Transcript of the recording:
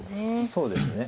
そうですね。